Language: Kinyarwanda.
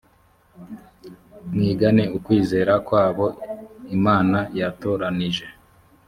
mwigane ukwizera kwabo imana yatoranije